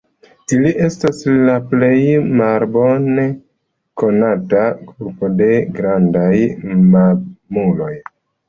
Ili estas la plej malbone konata grupo de grandaj mamuloj.